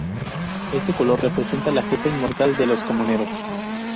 Este color representa la gesta inmortal de los Comuneros.